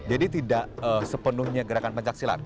jadi tidak sepenuhnya gerakan pencak silat